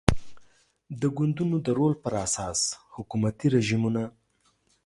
د ګوندونو د رول پر اساس حکومتي رژیمونه